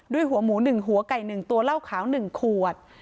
ด้วยหัวหมูหนึ่งหัวไก่หนึ่งตัวเหล้าขาวหนึ่งขวด